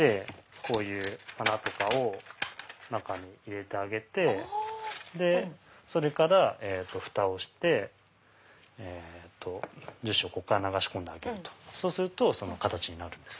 こういう花を中に入れてあげてそれからふたをして樹脂をここから流し込んであげるそうするとその形になるんです。